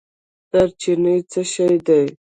دارچینی څه شی دی؟